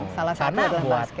salah satu adalah basket